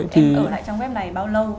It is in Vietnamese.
em ở lại trang web này bao lâu